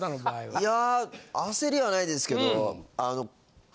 いや焦りはないですけど。